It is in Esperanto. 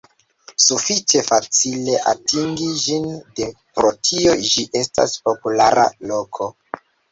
Sufiĉe facile atingi ĝin de pro tio ĝi estas populara loko.